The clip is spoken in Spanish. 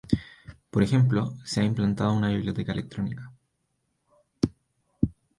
Por ejemplo se ha implantado una biblioteca electrónica.